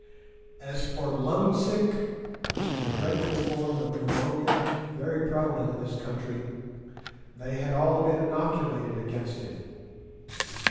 As for "lung sick," which is a dreadful form of pneumonia, very prevalent in this country, they had all been inoculated against it.